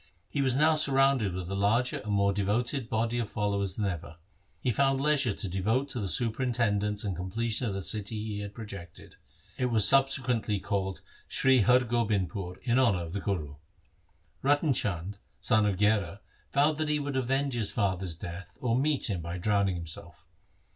He was now surrounded with a larger and more devoted body of followers than ever. He found leisure to devote to the superintendence and com pletion of the city he had projected. It was sub sequently called Sri Har Gobindpur in honour of the Guru. Ratan Chand, son of Gherar, vowed that he would avenge his father's death or meet him by drowning himself.